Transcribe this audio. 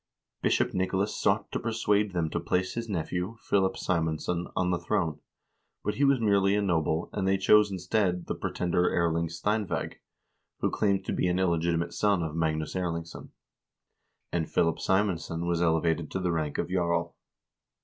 Bishop Nicolas sought to persuade them to place his nephew, Philip Simonsson, on the throne, but he was merely a noble, and they chose instead the pretender Erling Steinvseg, who claimed to be an illegitimate son of Magnus Erlingsson, and Philip Simonsson was elevated to the rank of jarl.